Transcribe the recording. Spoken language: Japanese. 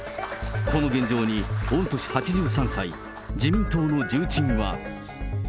この現状に、御年８３歳、自民党の重鎮は。